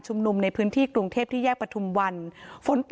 โจมตีรัฐบาล